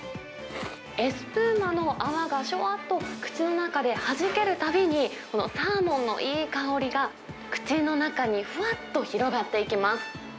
エスプーマの泡がしゅわっと口の中ではじけるたびに、このサーモンのいい香りが、口の中にふわっと広がっていきます。